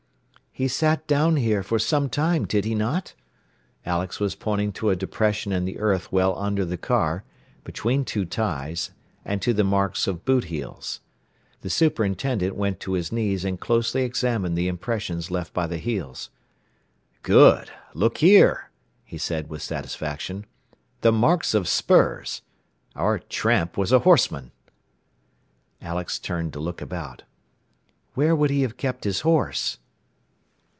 "He sat down here, for some time, did he not?" Alex was pointing to a depression in the earth well under the car, between two ties, and to the marks of bootheels. The superintendent went to his knees and closely examined the impressions left by the heels. "Good! Look here," he said with satisfaction. "The marks of spurs! Our 'tramp' was a horseman." Alex turned to look about. "Where would he have kept his horse?"